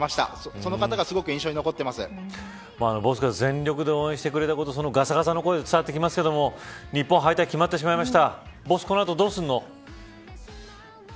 その方がボスが全力で応援してくれたことそのがさがさの声で伝わってきますが、日本の敗退が決まってしまいました。